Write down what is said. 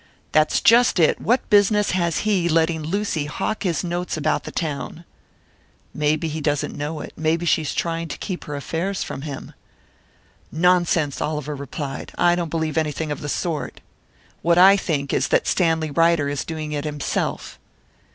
"That's just it! What business has he letting Lucy hawk his notes about the town?" "Maybe he doesn't know it. Maybe she's trying to keep her affairs from him." "Nonsense!" Oliver replied. "I don't believe anything of the sort. What I think is that Stanley Ryder is doing it himself."